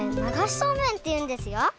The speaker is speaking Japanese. そうめんっていうんですよ！